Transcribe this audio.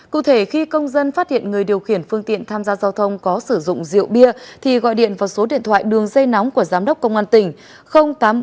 cụ thể khi công dân phát hiện người điều khiển phương tiện tham gia giao thông có sử dụng rượu bia thì gọi điện vào số điện thoại đường dây nóng của giám đốc công an tỉnh tám mươi bốn ba trăm bốn mươi năm tám nghìn bốn trăm tám mươi bốn